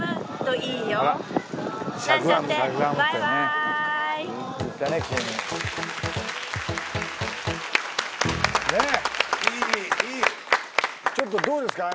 いいいいちょっとどうですか？